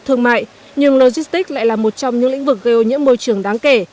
thương mại nhưng logistics lại là một trong những lĩnh vực gây ô nhiễm môi trường đáng kể